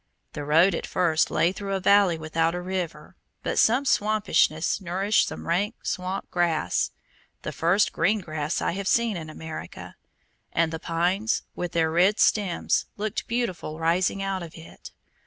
The road at first lay through a valley without a river, but some swampishness nourished some rank swamp grass, the first GREEN grass I have seen in America; and the pines, with their red stems, looked beautiful rising out of it.